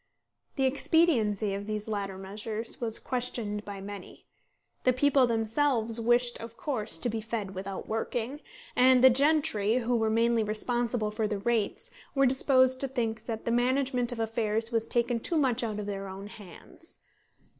The expediency of these latter measures was questioned by many. The people themselves wished of course to be fed without working; and the gentry, who were mainly responsible for the rates, were disposed to think that the management of affairs was taken too much out of their own hands.